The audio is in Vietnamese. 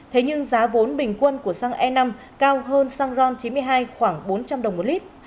thế nhưng giá vốn bình quân của xăng e năm cao hơn xăng ron chín mươi hai khoảng bốn trăm linh đồng một lít